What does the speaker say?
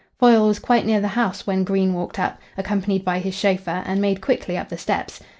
Foyle was quite near the house when Green walked up, accompanied by his chauffeur, and made quickly up the steps.